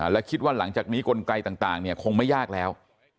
และคิดว่าหลังจากนี้กลไกต่างคงไม่ยากแล้ว